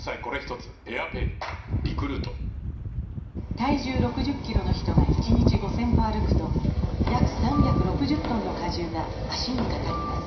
体重６０キロの人が１日５０００歩歩くと約３６０トンの荷重が脚にかかります